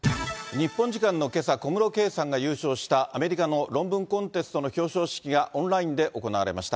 日本時間のけさ、小室圭さんが優勝した、アメリカの論文コンテストの表彰式がオンラインで行われました。